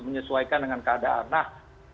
sesuaikan dengan keadaan nah